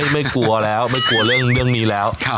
ไม่กลัวเรื่องนี้แล้ว